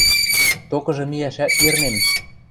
Токыжы миӓшӓт йӹрнем.